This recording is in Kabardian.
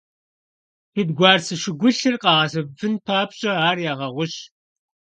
Шэдгуарцэ щӀыгулъыр къагъэсэбэпын папщӀэ, ар ягъэгъущ.